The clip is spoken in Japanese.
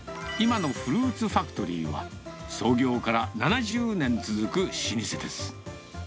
イマノフルーツファクトリーは、創業から７０年続く老舗です。